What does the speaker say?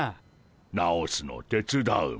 直すの手伝うモ。